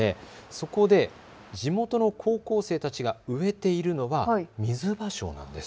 そこで地元の高校生たちが植えているのはミズバショウなんです。